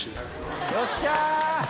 よっしゃ！